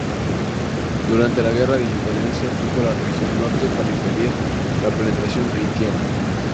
Durante la guerra de independencia ocupó la región norte para impedir la penetración haitiana.